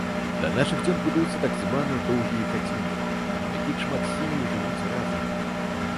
Да нашых дзён будуюцца так званыя доўгія хаціны, у якіх шмат сем'яў жывуць разам.